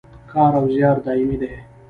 کار او زیار دایمي دی